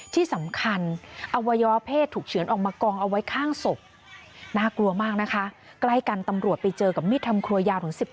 ที่สำคัญอวัยวะเพศถูกเฉือนออกมากล้องออกไว้ข้างศพ